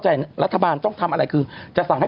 พี่เราหลุดมาไกลแล้วฝรั่งเศส